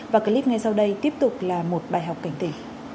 và clip ngay sau đây tiếp tục là một bài học cảnh tỷ